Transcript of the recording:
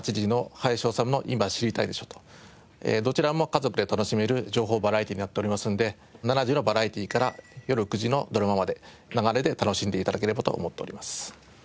どちらも家族で楽しめる情報バラエティーになっておりますので７時のバラエティーからよる９時のドラマまで流れで楽しんで頂ければと思っております。